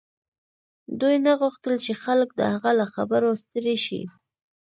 دوی نه غوښتل چې خلک د هغه له خبرو ستړي شي